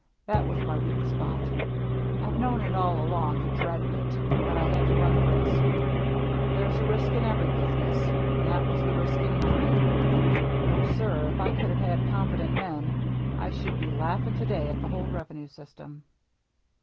That was my weak spot. I've known it all along and dreaded it, but I had to run the risk. There's a risk in every business, and that was the risk 392 THE MERRT ANNE in mine. No, sir, if I could have had com petent men, I should be laughing to day at the whole revenue system."